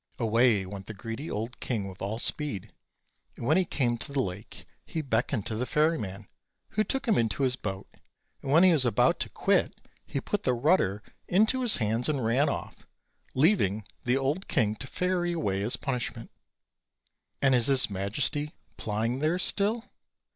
Away went the greedy old king with all speed; and when he came to the lake he beckoned to the ferryman, who took him into his boat; and when he was about to quit, he put the rudder into his hand and ran off, leav ing the old king to ferry away as a punishment. "And is his majesty plying there still?"